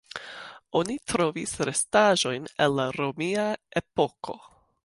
Oni trovis restaĵojn el la romia epoko.